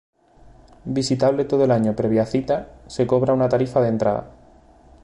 Visitable todo el año previa cita, se cobra una tarifa de entrada..